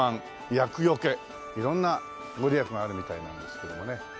厄よけ色んな御利益があるみたいなんですけどもね。